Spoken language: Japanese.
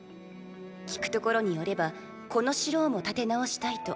聞くところによればこの城をも建て直したいと。